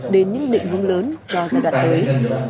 đến những định hướng lớn cho giai đoạn tới